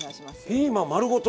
ピーマン丸ごと？